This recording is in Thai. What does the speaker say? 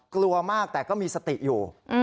กลัวมากแต่ก็มีสติอยู่